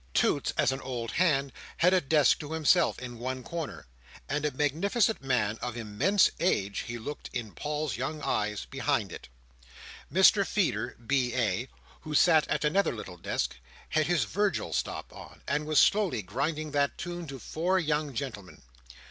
Toots, as an old hand, had a desk to himself in one corner: and a magnificent man, of immense age, he looked, in Paul's young eyes, behind it. Mr Feeder, B.A., who sat at another little desk, had his Virgil stop on, and was slowly grinding that tune to four young gentlemen.